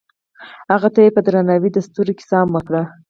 هغه هغې ته په درناوي د ستوري کیسه هم وکړه.